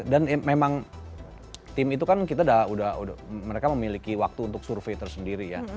dan memang tim itu kan kita udah mereka memiliki waktu untuk survei tersendiri ya